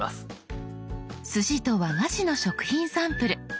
すしと和菓子の食品サンプル。